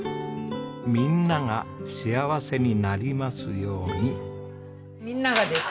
「みんなが幸せになりますように！」みんながです。